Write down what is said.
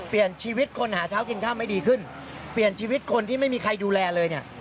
เปลี่ยนชีวิตคนหาเช้ากินข้าวไม่ดีขึ้นเปลี่ยนชีวิตคนที่ไม่มีใครดูแลเลยเนี่ย